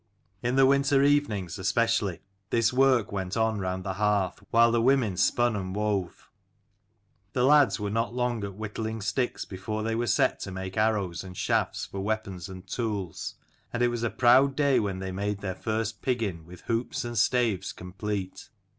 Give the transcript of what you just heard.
In the winter evenings especially this work went on round the hearth, while the women spun and wove. The lads were not long at whittling sticks before they were set to make arrows and shafts for weapons and tools, and it was a proud day when they made their first piggin with hoops and staves complete.